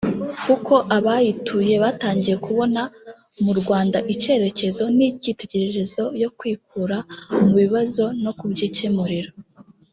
kuko abayituye batangiye kubona mu Rwanda icyerekezo n’icyitegererezo yo kwikura mu bibazo no kubyikemurira